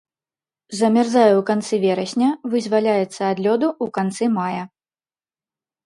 Замярзае ў канцы верасня, вызваляецца ад лёду ў канцы мая.